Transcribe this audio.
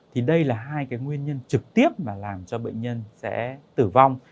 thì đây là hai cái nguyên nhân trực tiếp mà làm cho bệnh nhân sẽ tử vong